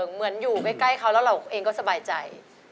เหมือนอยู่ใกล้เขาแล้วเราเองก็สบายใจ